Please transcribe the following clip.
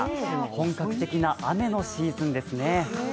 本格的な雨のしーずんですね。